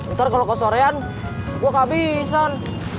ntar kalau ke sorean gua kebisaan